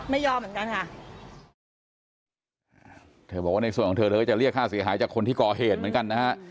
ไม่ยอมเหมือนกันค่ะเธอบอกว่าในส่วนของเธอเธอก็จะเรียกค่าเสียหายจากคนที่ก่อเหตุเหมือนกันนะฮะ